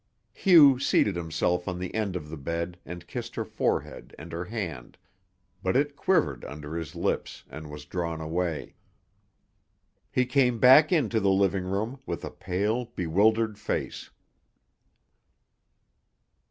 Hugh seated himself on the end of the bed and kissed her forehead and her hand, but it quivered under his lips and was drawn away. He came back into the living room with a pale, bewildered face.